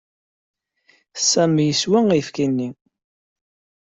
Sami yeswa ayefki-nni.